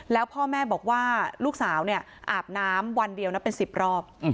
แล้วพ่อแม่บอกว่าลูกสาวเนี่ยอาบน้ำวันเดียวนะเป็น๑๐รอบ